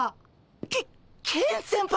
ケケン先輩？